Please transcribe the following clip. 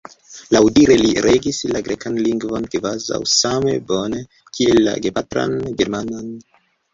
Laŭdire li regis la grekan lingvon kvazaŭ same bone kiel la gepatran germanan.